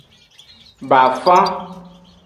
Bafan.